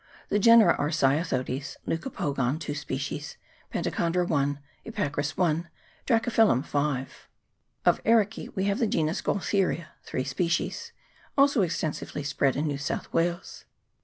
The genera are Cyathodes, Leucopogon (2 species), Pentachondra (1), Epacris (1), Dracophyllum (5). Of Ericece we have the genus Gaultheria (3 species), also extensively spread in New South Wales.